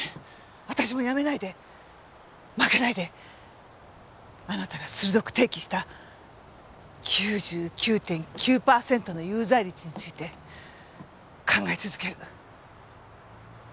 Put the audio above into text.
私も辞めないで負けないであなたが鋭く提起した９９．９パーセントの有罪率について考え続ける。